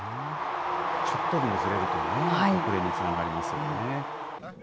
ちょっとでもずれるとね、遅れにつながりますよね。